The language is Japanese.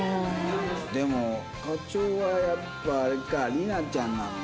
でも課長はやっぱあれかりなちゃんなんだ。